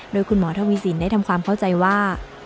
โดยคุณหมอทวีสินได้ทำความเข้าใจว่า